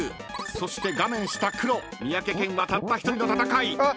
［そして画面下黒三宅健はたった一人の戦い］